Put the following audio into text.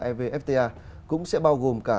evfta cũng sẽ bao gồm cả